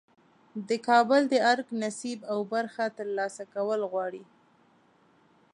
د کابل د ارګ نصیب او برخه ترلاسه کول غواړي.